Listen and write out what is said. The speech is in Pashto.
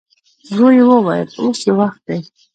ورو يې وويل: اوس يې وخت دی.